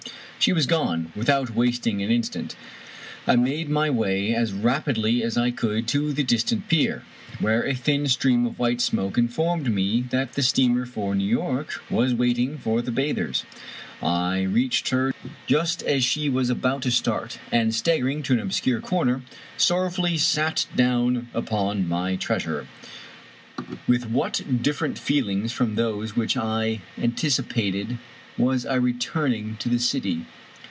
She was gone. Without wasting an instant, I made my way as rapidly as I could to the distant pier, where a thin stream of white smoke informed me that the steamer for New York was waiting for the bathers. I reached her just as she was about to start, and, staggering to an obscure corner, sor rowfully sat down upon my treasure. With what diflferent feelings from those which I antici pated was I returning to the city.